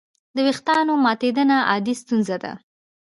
د وېښتیانو ماتېدنه عادي ستونزه ده.